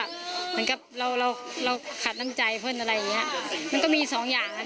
เราก็ขาดน้ำใจเพื่อนอะไรอย่างเงี้ยมันก็มีสองอย่างนะ